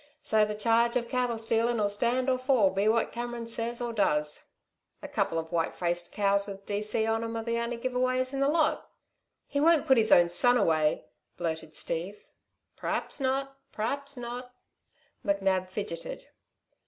So the charge of cattle stealin' 'll stand or fall be what Cameron says or does. A couple of white faced cows with D.C. on 'm are the only give aways in the lot!" "He won't put his own son away," blurted Steve. "P'raps! P'raps not!" McNab fidgeted.